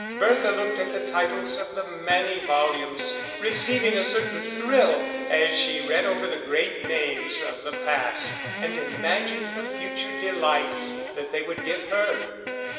Bertha looked at the titles of the many volumes, receiving a certain thrill as she read over the great names of the past, and imagined the future delights that they would give her.